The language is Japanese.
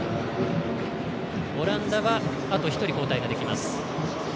オランダは、あと１人交代ができます。